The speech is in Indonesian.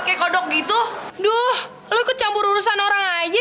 gak salah apa apa